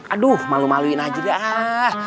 aduh malu maluin aja deh